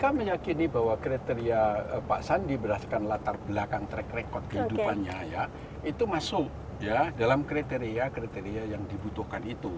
saya meyakini bahwa kriteria pak sandi berdasarkan latar belakang track record kehidupannya ya itu masuk ya dalam kriteria kriteria yang dibutuhkan itu